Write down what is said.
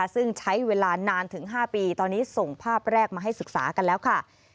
ซึ่งใช้เวลานานถึง๕ปีตอนนี้ส่งภาพแรกมาให้ศึกษากันแล้วค่ะ